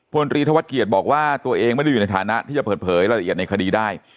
พลตรีธวัชเกียจบอกว่าตัวเองไม่ได้อยู่ในฐานะที่จะเปิดเผยรายละเอียดในคดีได้